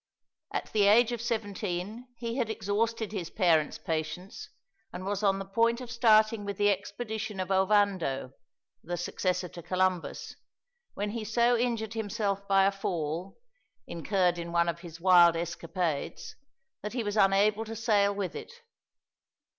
At the age of seventeen he had exhausted his parents' patience, and was on the point of starting with the expedition of Ovando, the successor to Columbus, when he so injured himself by a fall, incurred in one of his wild escapades, that he was unable to sail with it.